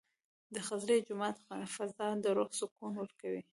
د خضري جومات فضا د روح سکون ورکوي.